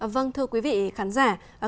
vâng thưa quý vị khán giả